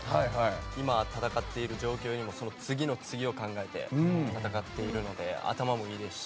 今、戦っている状況でも次の次を考えて戦っているので頭もいいですし。